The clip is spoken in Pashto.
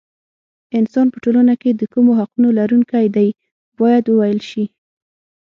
انسان په ټولنه کې د کومو حقونو لرونکی دی باید وویل شي.